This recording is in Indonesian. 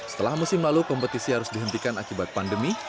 setelah musim lalu kompetisi harus dihentikan akibat pandemi